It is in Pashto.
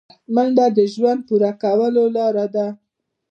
منډه د ژوند پوره کولو لاره ده